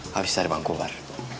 habis dari bang kobar